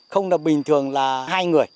không là bình thường là hai người